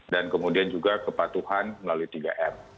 kemudian juga kepatuhan melalui tiga m